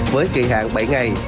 với kỳ hạn bảy ngày